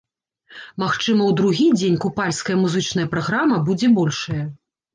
Магчыма, у другі дзень купальская музычная праграма будзе большая.